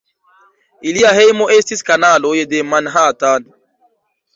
Ilia hejmo estis kanaloj de Manhattan.